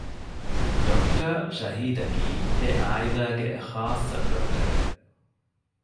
ޑޮކްޓަރ ޝަހީދަކީ އެޢާއިލާގެ ޚާއްޞަ ޑޮކްޓަރެއް